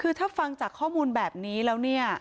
คือถ้าฟังจากข้อมูลแบบนี้แล้วเนี่ย